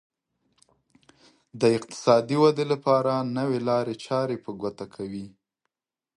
د اقتصادي ودې لپاره نوې لارې چارې په ګوته کوي.